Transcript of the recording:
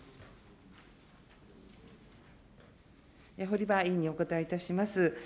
堀場委員にお答えいたします。